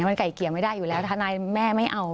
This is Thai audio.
มันไก่เกลี่ยไม่ได้อยู่แล้วทนายแม่ไม่เอา